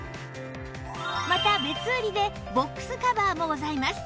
また別売りでボックスカバーもございます